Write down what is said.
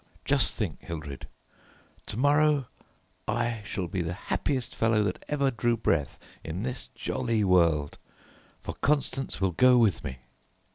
"Just think, Hildred, to morrow I shall be the happiest fellow that ever drew breath in this jolly world, for Constance will go with me."